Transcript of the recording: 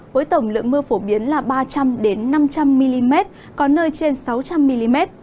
với tổng lượng mưa phổ biến là ba trăm linh năm trăm linh mm có nơi trên sáu trăm linh mm